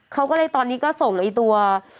เขาก็เลยตอนนี้ก็ส่งไอ้ตัว